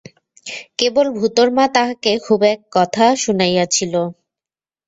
কেবল ভূতাের মা তাহাকে খুব এক কথা শুনাইয়াছিল।